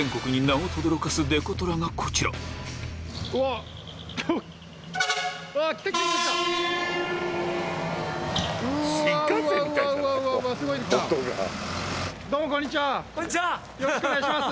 よろしくお願いします。